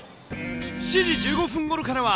７時１５分ごろからは。